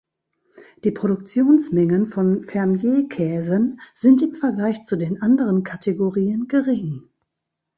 Die Produktionsmengen von Fermier-Käsen sind im Vergleich zu den anderen Kategorien gering.